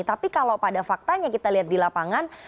tapi kalau pada faktanya kita lihat di lapangan